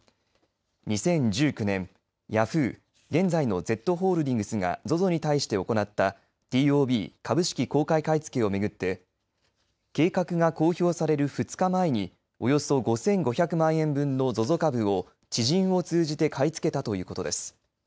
２０１９年ヤフー現在のＺホールディングスがＺＯＺＯに対して行ったＴＯＢ株式公開買い付けを巡って計画が公表される２日前におよそ５５００万円分のＺＯＺＯ株を知人を通じて買い付けたということです。